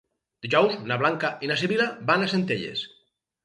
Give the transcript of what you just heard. Dijous na Blanca i na Sibil·la van a Centelles.